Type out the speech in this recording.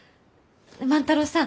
万太郎さん